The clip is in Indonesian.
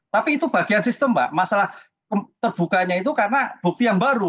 tapi itu bagian sistem mbak masalah terbukanya itu karena bukti yang baru